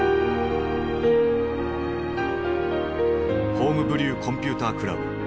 「ホームブリューコンピュータークラブ」。